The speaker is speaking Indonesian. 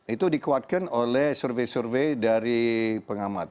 itu dikuatkan oleh survei survei dari pengamat